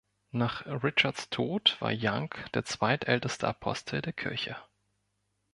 Nach Richards Tod war Young der zweitälteste Apostel der Kirche.